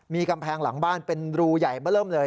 มีกำแพงหลังบ้านเป็นรูใหญ่มาเริ่มเลย